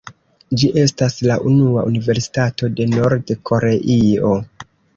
Ĝi estas la unua universitato de Nord-Koreio.